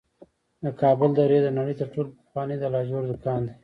د کابل درې د نړۍ تر ټولو پخوانی د لاجورد کان دی